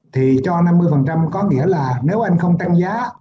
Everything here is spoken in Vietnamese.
thì cho năm mươi có nghĩa là nếu anh không tăng giá